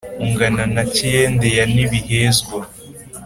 Ungana Ntakiyende ya Ntibihezwa